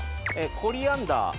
コリアンダー。